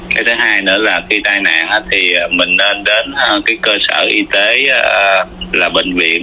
cái thứ hai nữa là khi tai nạn thì mình nên đến cái cơ sở y tế là bệnh viện